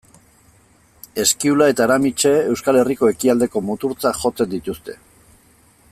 Eskiula eta Aramitse, Euskal Herriko ekialdeko muturtzat jotzen dituzte.